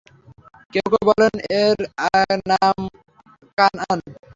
কেউ কেউ বলেন, এর নাম কানআন।